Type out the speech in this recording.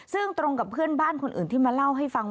ซึ่งตรงกับเพื่อนบ้านคนอื่นที่มาเล่าให้ฟัง